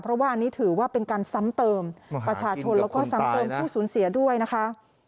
เพราะว่าอันนี้ถือว่าเป็นการซ้ำเติมประชาชนแล้วก็ซ้ำเติมผู้สูญเสียด้วยนะคะ